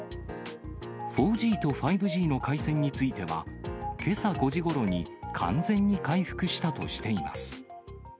４Ｇと５Ｇの回線については、けさ５時ごろに完全に回復したとしています。